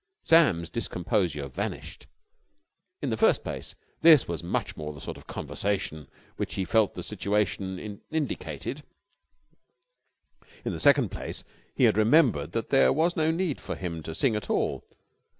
Sam's discomposure vanished. In the first place, this was much more the sort of conversation which he felt the situation indicated. In the second place he had remembered that there was no need for him to sing at all.